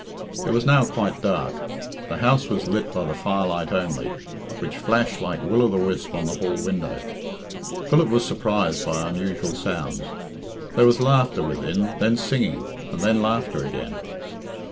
It was now quite dark. The house was lit by the firelight only, which flashed like Will o' the wisp on the hall window. Philip was surprised by unusual sounds. There was laughter within, then singing, and then laughter again.